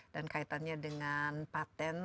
dan kaitannya dengan patent